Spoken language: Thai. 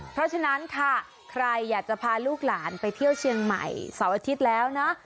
เพราะฉะนั้นค่ะใครอยากจะพาลูกหลานไปเที่ยวเชียงใหม่เสาร์อาทิตย์แล้วนะ